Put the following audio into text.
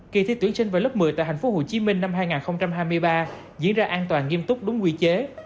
kỳ thi tuyển sinh vào lớp một mươi tại tp hcm năm hai nghìn hai mươi ba diễn ra an toàn nghiêm túc đúng quy chế